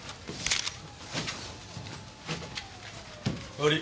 悪い。